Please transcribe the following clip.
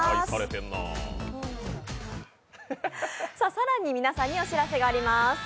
更に皆さんにお知らせがあります。